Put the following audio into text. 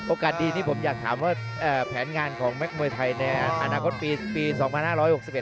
โอกาสดีนี้ผมอยากถามว่าแผนงานของแมคหมวยไทยในผ่านอย่างคตปี๒๕๖๑นี้เป็นยังไงฟะ